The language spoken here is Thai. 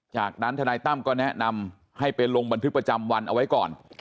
จากนั้นทนายตั้มก็แนะนำให้ไปลงบันทึกประจำวันเอาไว้ก่อน